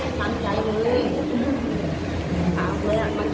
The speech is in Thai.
นึกมันก็ลำบาก